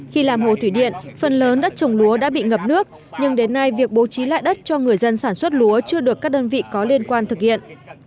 khi làm hồ thủy điện phần lớn đất trồng lúa đã bị ngập nước nhưng đến nay việc bố trí lại đất cho người dân sản xuất lúa chưa được các đơn vị có liên quan thực hiện